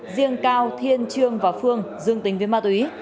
riêng cao thiên trương và phương dương tính với ma túy